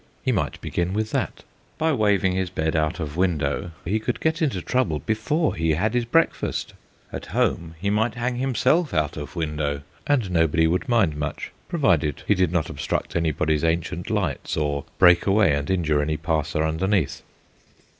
He might begin with that. By waving his bed out of window he could get into trouble before he had his breakfast. At home he might hang himself out of window, and nobody would mind much, provided he did not obstruct anybody's ancient lights or break away and injure any passer underneath.